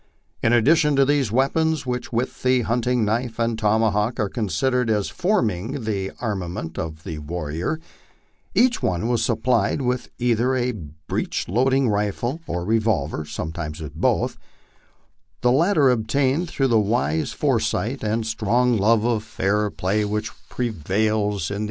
In addition to these weapons, which with the hunting knife and tomahawk are considered as forming the armament of the warrior, each one was supplied with either a breech r loading rifle or revolver, sometimes with both the latter obtained Shrough the wise foresight and strong love of fair play which prevails in the 26 MY LIFE ON THE PLAINS.